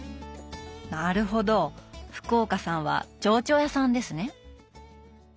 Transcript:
なるほど福岡さんはチョウチョ屋さんですね。